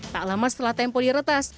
tak lama setelah tempo diretas